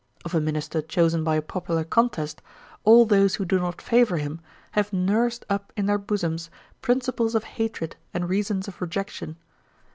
Of a minister chosen by a popular contest, all those who do not favour him, have nursed up in their bosoms principles of hatred and reasons of rejection.